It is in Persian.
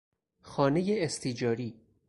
خانهی استیجاری